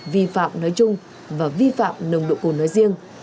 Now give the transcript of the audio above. vi phạm nói chung và vi phạm nồng độ cồn nói riêng